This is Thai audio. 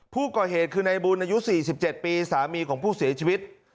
ผู้ก่อเหตุคือในบุญอายุ๔๗ปีสามีของผู้เสียชีวิต